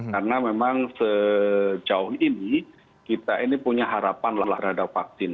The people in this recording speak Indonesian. karena memang sejauh ini kita ini punya harapan terhadap vaksin